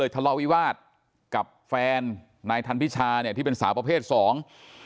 พระวิวาธกับแฟนนายธรรมพิชาเนี่ยที่เป็นสาประเภทสอง